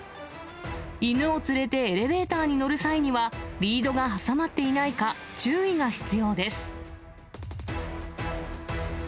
犬を連れてエレベーターに乗る際には、リードが挟まっていないか注意が必要です。